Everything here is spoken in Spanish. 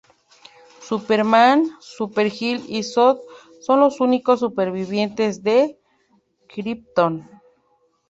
Superman, Supergirl y Zod son los únicos supervivientes de Krypton.